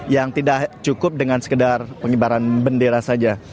yang tidak cukup dengan sekedar pengibaran bendera saja